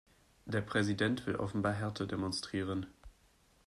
Der Präsident will offenbar Härte demonstrieren.